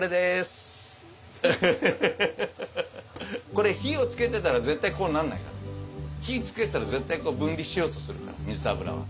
これ火をつけてたら絶対こうなんないから。火つけたら絶対分離しようとするから水と油は。